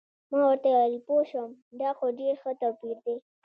ما ورته وویل: پوه شوم، دا خو ډېر ښه توپیر دی.